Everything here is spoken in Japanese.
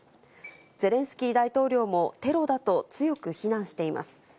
ゼレンスキー大統領も、テロだと強く非難しています。